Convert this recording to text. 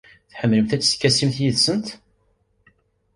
Tḥemmlemt ad teskasimt yid-sent?